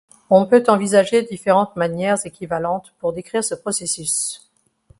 On peut envisager différentes manières équivalentes pour décrire ce processus.